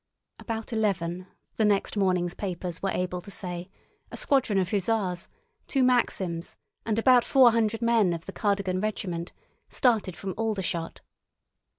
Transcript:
About eleven, the next morning's papers were able to say, a squadron of hussars, two Maxims, and about four hundred men of the Cardigan regiment started from Aldershot.